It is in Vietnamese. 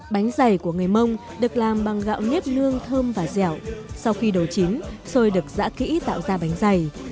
bánh dày của người mông được làm bằng gạo nếp nương thơm và dẻo sau khi đồ chín xôi được giã kỹ tạo ra bánh dày